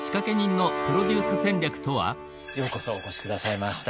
ようこそお越し下さいました。